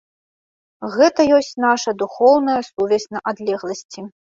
Гэта ёсць наша духоўная сувязь на адлегласці.